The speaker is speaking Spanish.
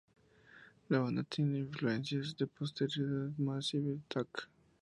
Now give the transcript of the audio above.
La banda tiene influencias de Portishead y Massive Attack.